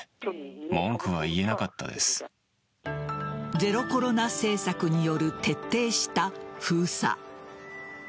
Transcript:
ゼロコロナ政策による徹底した封鎖。